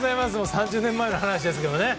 ３０年前の話ですけどもね。